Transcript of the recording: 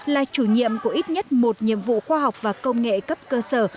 là chủ nhiệm của ít nhất một nhiệm vụ khoa học và công nghệ cấp cơ sở